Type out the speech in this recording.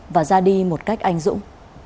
và ra đi một cách anh dũng